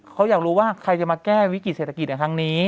เขาอยากรู้ว่าใครจะมาแก้วิกฤติเศรษฐกิจในครั้งนี้